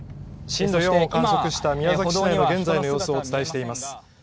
震度４を観測した宮崎市内の現在の様子をお伝えしています。